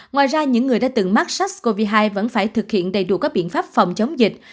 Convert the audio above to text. ngoài ra những người đã từng mắc sars cov hai vẫn phải thực hiện đầy đủ các biện pháp phòng chống dịch